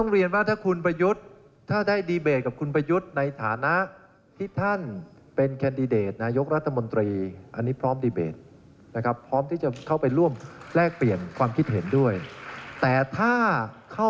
เดี๋ยวไปฟังเสียงหัวหน้าพักอนาคตใหม่ช่วงนี้หน่อยนะคะ